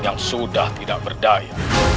yang sudah tidak berdaya